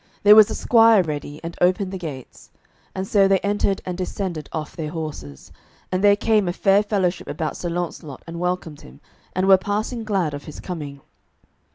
There was a squire ready, and opened the gates; and so they entered and descended off their horses, and there came a fair fellowship about Sir Launcelot and welcomed him, and were passing glad of his coming.